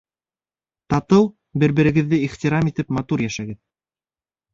Татыу, бер-берегеҙҙе ихтирам итеп матур йәшәгеҙ!